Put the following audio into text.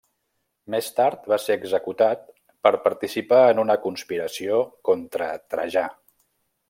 Més tard va ser executat per participar en una conspiració contra Trajà.